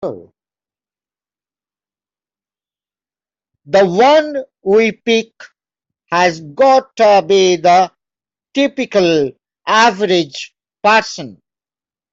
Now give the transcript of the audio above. The one we pick has gotta be the typical average person.